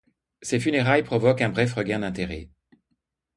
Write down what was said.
Ses funérailles provoquent un bref regain d'intérêt.